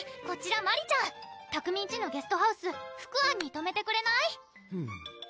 こちらマリちゃん拓海んちのゲストハウス・福あんにとめてくれない？